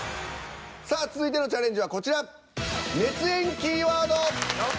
さあ続いてのチャレンジはこちら。